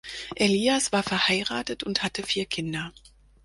Elias war verheiratet und hatte vier Kinder.